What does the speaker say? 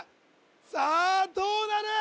さあどうなる！？